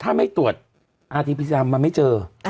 ถ้าไม่ตรวจอศพมันไม่เจอ